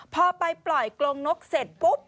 พอไปปล่อยกรงนกเสร็จปุ๊บ